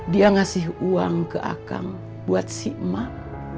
dia ngasih uang ke akang buat si emak